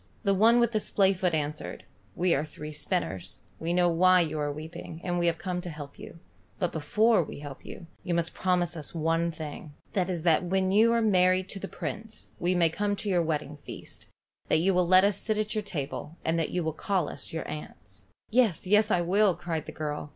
The one with the splayfoot answered. "We are three spinners. We know why you are weeping, and we have come to help you, but before we help you, you must promise us one thing: that is that when you are married to the Prince, we may come to your wedding feast, that you will let us sit at your table, and that you will call us your aunts." "Yes, yes; I will, I will," cried the girl.